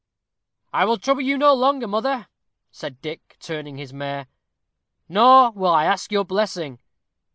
"I will not trouble you longer, mother," said Dick, turning his mare; "nor will I ask your blessing."